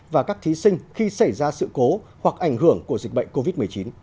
và các thí sinh khi xảy ra sự cố hoặc ảnh hưởng của dịch bệnh covid một mươi chín